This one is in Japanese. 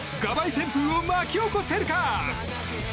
旋風を巻き起こせるか。